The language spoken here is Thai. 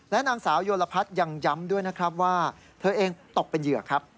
นางสาวโยลพัฒน์ยังย้ำด้วยนะครับว่าเธอเองตกเป็นเหยื่อครับ